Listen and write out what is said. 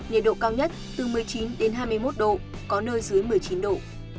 nhiệt độ cao nhất từ một mươi chín hai mươi một độ có nơi dưới một mươi chín độ